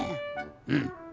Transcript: うん。